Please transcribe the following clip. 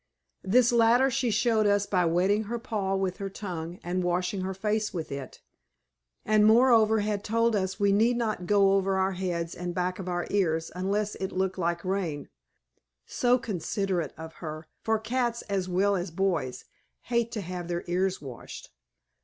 This latter she showed us by wetting her paw with her tongue and washing her face with it, and, moreover, had told us we need not go over our heads and back of our ears unless it looked like rain (so considerate of her, for cats, as well as boys, hate to have their ears washed).